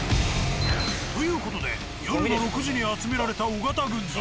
という事で夜の６時に集められた尾形軍団。